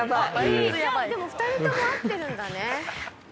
２人とも合ってるんだね。